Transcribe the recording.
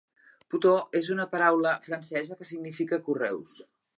"Poteau" és una paraula francesa que significa correus.